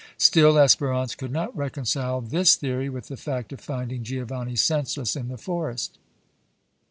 Still Espérance could not reconcile this theory with the fact of finding Giovanni senseless in the forest.